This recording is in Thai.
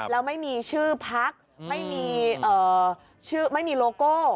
แล้วไม่มีชื่อพักไม่มีโลโก้